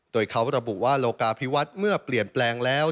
โดยเขาระบุว่าโลกาพิวัฒน์เมื่อเปลี่ยนแปลงแล้ว